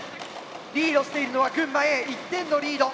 リードしているのは群馬Ａ１点のリード。